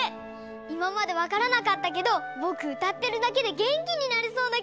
いままでわからなかったけどぼくうたってるだけでげんきになれそうなきがしたよ！